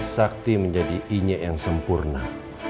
sakti menjadi inyek yang sempurna